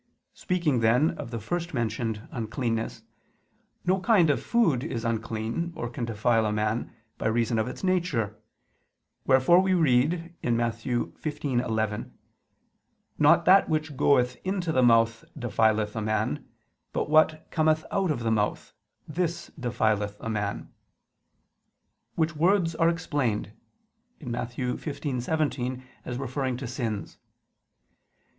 Speaking then of the first mentioned uncleanness, no kind of food is unclean, or can defile a man, by reason of its nature; wherefore we read (Matt. 15:11): "Not that which goeth into the mouth defileth a man; but what cometh out of the mouth, this defileth a man": which words are explained (Matt. 15:17) as referring to sins.